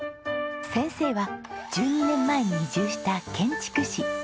先生は１２年前に移住した建築士赤松秀夫さん。